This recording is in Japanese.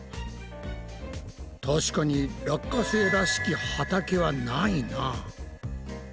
確かに落花生らしき畑はないな。